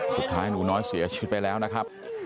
สุดท้ายหนูน้อยเสียชีวิตไปแล้วนะครับ